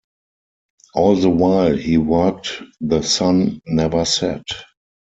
All the while he worked the sun never set.